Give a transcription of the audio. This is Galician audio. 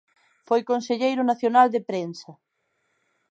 Foi conselleiro Nacional de Prensa.